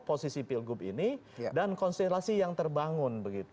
posisi pilgub ini dan konstelasi yang terbangun